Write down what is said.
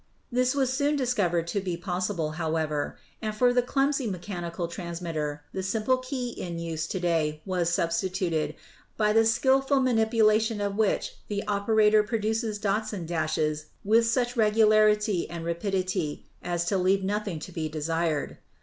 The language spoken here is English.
This was soon discovered to be possible, however, and for the clumsy mechanical transmitter the simple key in use to day was substituted, by the skilful manipulation of which the operator pro duces dots and dashes with such regularity and rapidity as to leave nothing to be desired.